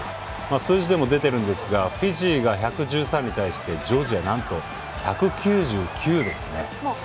数字でも出てるんですがフィジーが１１３に対してジョージアは１９９です。